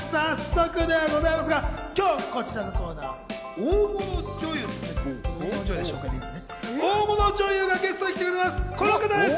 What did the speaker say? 早速ではございますが、今日こちらのコーナー、大物女優がゲストに来てくれています、この方です。